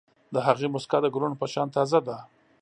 د هغې موسکا د ګلونو په شان تازه ده.